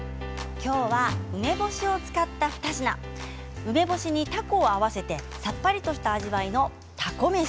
きょうは梅干しを使った２品梅干しに、たこを合わせてさっぱりとした味わいのたこ飯。